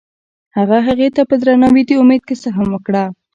هغه هغې ته په درناوي د امید کیسه هم وکړه.